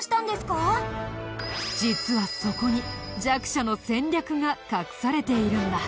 実はそこに弱者の戦略が隠されているんだ。